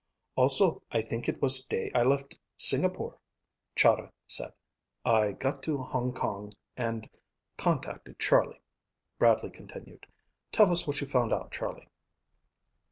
"Also I think it was day I left Singapore," Chahda said. "I got to Hong Kong and contacted Charlie," Bradley continued. "Tell us what you found out, Charlie."